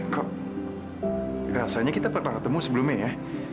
kok rasanya kita pernah ketemu sebelumnya ya